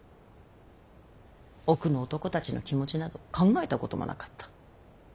奥の男たちの気持ちなど考えたこともなかった。